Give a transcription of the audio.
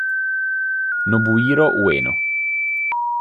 Nobuhiro Ueno